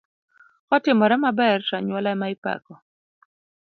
Kotimore maber to anyuola ema ipako.